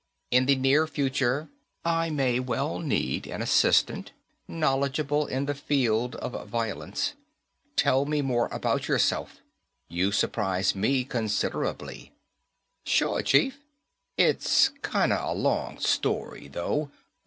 In the near future, I may well need an assistant knowledgeable in the field of violence. Tell me more about yourself. You surprise me considerably." "Sure, Chief. It's kinda a long story, though.